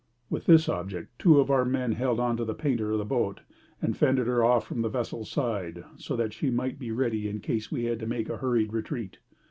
With this object two of our men held on to the painter of the boat, and fended her off from the vessel's side, so that she might be ready in case we had to make a hurried retreat.